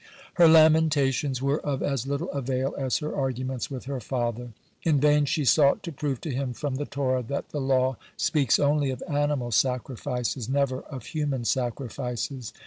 (108) Her lamentations were of as little avail as her arguments with her father. In vain she sought to prove to him from the Torah that the law speaks only of animal sacrifices, never of human sacrifices.